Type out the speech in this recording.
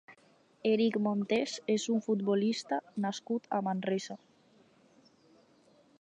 Eric Montes és un futbolista nascut a Manresa.